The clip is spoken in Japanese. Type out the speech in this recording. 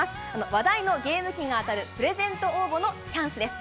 話題のゲーム機が当たるプレゼント応募のチャンスです。